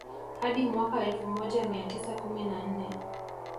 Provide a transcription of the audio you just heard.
Hadi mwaka elfu moja mia tisa kumi na nne